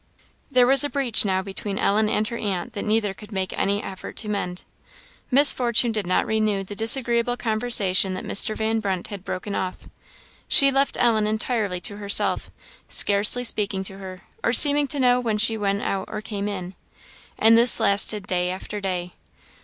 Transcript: There was a breach now between Ellen and her aunt that neither could make any effort to mend. Miss Fortune did not renew the disagreeable conversation that Mr. Van Brunt had broken off; she left Ellen entirely to herself, scarcely speaking to her, or seeming to know when she went out or came in. And this lasted day after day.